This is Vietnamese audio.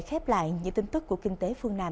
khép lại những tin tức của kinh tế phương nam